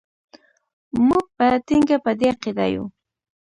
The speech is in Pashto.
موږ په ټینګه په دې عقیده یو.